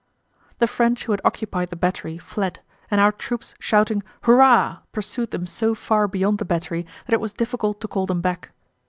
The French who had occupied the battery fled, and our troops shouting "Hurrah!" pursued them so far beyond the battery that it was difficult to call them back.